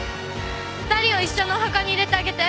２人を一緒のお墓に入れてあげて。